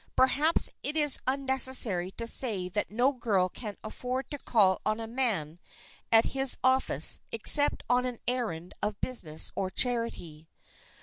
Perhaps it is unnecessary to say that no girl can afford to call on a man at his office except on an errand of business or charity.